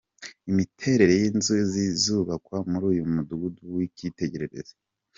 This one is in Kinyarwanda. Imiterere y’inzu zizubakwa muri uyu mudugudu w’icyitegererezo.